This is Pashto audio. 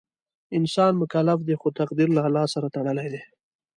انسان مکلف دی خو تقدیر له الله سره تړلی دی.